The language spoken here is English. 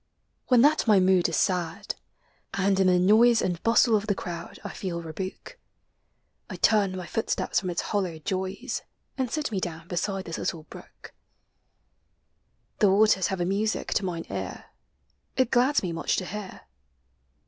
When that my mood is sad, and in the noise And bustle of the crowd I feel rebuke, I turn my footsteps from its hollow joys And sit me down beside this little brook; INLAND WATERS: HIGHLANDS. 197. The waters have a music to mine ear It glads me much to hear.